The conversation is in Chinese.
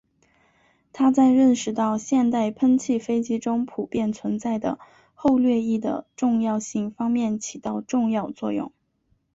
他在认识到现代喷气飞机中普遍存在的后掠翼的重要性方面起到重要作用。